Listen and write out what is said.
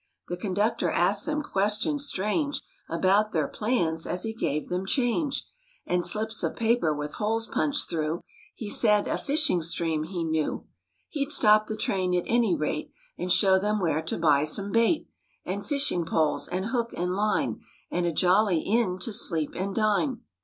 The conductor asked them questions strange About their plans as he gave them change And slips of paper with holes punched through; He said a fishing stream he knew; He'd stop the train at any rate And show them where to buy some bait And fishing poles and hook and line And a jolly inn to sleep and dine.